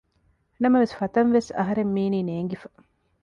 ނަމވެސް ފަތަންވެސް އަހަރެން މީނީ ނޭނގިފަ